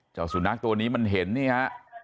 เจ้าสุนัขตัวนี้มันเห็นนี่ฮะ